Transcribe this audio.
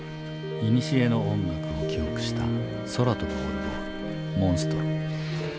いにしえの音楽を記憶した空飛ぶオルゴール「モンストロ」。